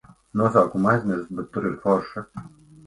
Nosaukumu aizmirsu, bet tur ir forši.